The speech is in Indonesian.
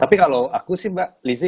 tapi kalau aku sih mbak lizzie